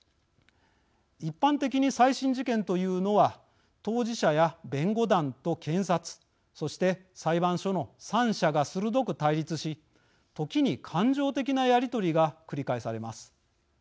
一般的に再審事件というのは当事者や弁護団と検察そして裁判所の３者が鋭く対立し時に感情的なやり取りが繰り返されます。